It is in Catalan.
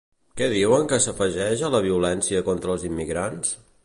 Què diuen que s'afegeix a la violència contra els immigrants?